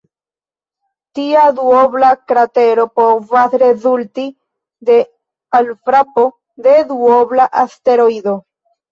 Tia duobla kratero povas rezulti de alfrapo de duobla asteroido.